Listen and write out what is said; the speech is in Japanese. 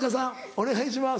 お願いします。